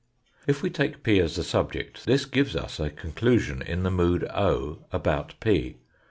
If we take P as the subject, this gives us a conclusion in the mood about p.